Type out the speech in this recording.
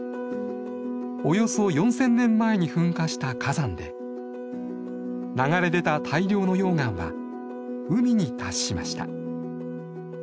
およそ４，０００年前に噴火した火山で流れ出た大量の溶岩は海に達しました。